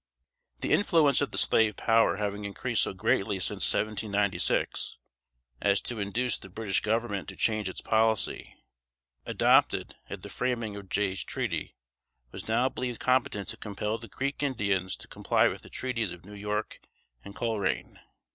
] The influence of the slave power having increased so greatly since 1796, as to induce the British Government to change its policy, adopted at the framing of Jay's Treaty, was now believed competent to compel the Creek Indians to comply with the treaties of New York and Colerain.